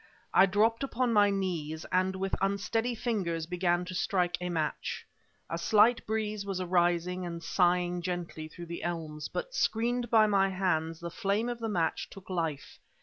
I dropped upon my knees, and with unsteady fingers began to strike a match. A slight breeze was arising and sighing gently through the elms, but, screened by my hands, the flame of the match took life.